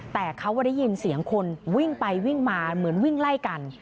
แต่เขาได้ยินเสียงคนวิ่งไปวิ่งมาเหมือนวิ่งไล่กัน